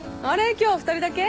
今日は２人だけ？